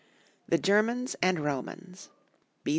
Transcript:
THE GERMANS AND ROMANS. B.